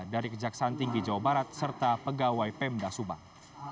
dari kejaksaan tinggi jawa barat serta pegawai pemda subang